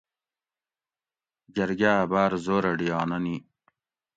جرگاۤ باۤر زورہ ڈیانہ نی